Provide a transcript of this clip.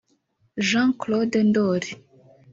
Jean Claude Ndoli